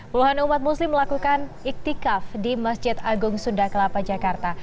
puluhan umat muslim melakukan iktikaf di masjid agung sunda kelapa jakarta